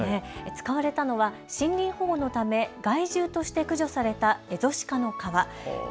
使われたのは森林保護のため害獣として駆除されたエゾシカの革。